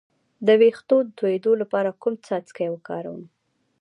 د ویښتو د تویدو لپاره کوم څاڅکي وکاروم؟